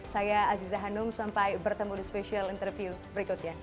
saya aziza hanum sampai bertemu di special interview berikutnya